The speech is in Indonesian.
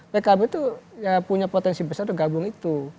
pkb itu punya potensi besar untuk gabung itu